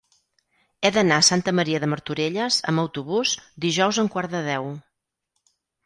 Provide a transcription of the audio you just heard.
He d'anar a Santa Maria de Martorelles amb autobús dijous a un quart de deu.